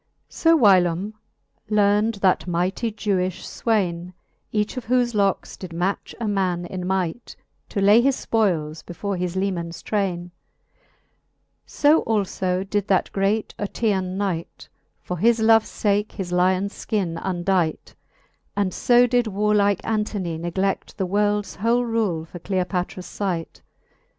II. So whylome learnd that mighty Jewifii fwaine, Each of whofe lockes did match a man in might, To lay his {poiles before his lemans traine ; So alfo did that great Oetean knight For his loves fake his lions Ikin undight : And fo did warlike Antony negle^ The worlds whole rule for Cleopatras light.